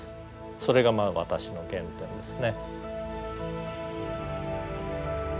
それがまあ私の原点ですね。